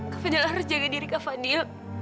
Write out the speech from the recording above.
kak fadil harus jaga diri kak fadil